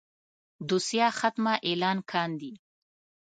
دوسيه ختمه اعلان کاندي.